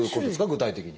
具体的に。